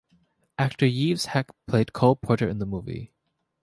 Actor Yves Heck played Cole Porter in the movie.